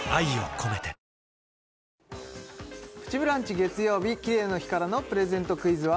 月曜日キレイの日からのプレゼントクイズは？